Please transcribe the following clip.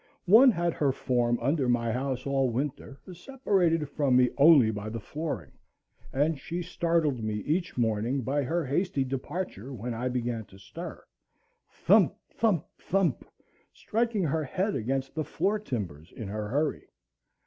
One had her form under my house all winter, separated from me only by the flooring, and she startled me each morning by her hasty departure when I began to stir,—thump, thump, thump, striking her head against the floor timbers in her hurry.